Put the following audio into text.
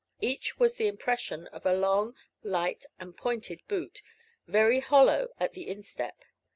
Each was the impression of a long, light, and pointed boot, very hollow at the instep.